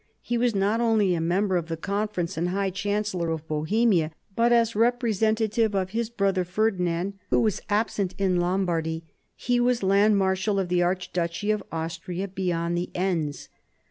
He was not only a member of the Conference and High Chancellor of Bohemia, but as representative of his brother Ferdinand (who was absent in Lombardy), he was Land Marshal of the archduchy of Austria beyond the Enns.